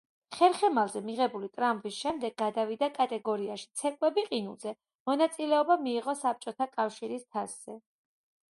ხერხემალზე მიღებული ტრამვის შემდეგ გადავიდა კატეგორიაში „ცეკვები ყინულზე“, მონაწილეობა მიიღო საბჭოთა კავშირის თასზე.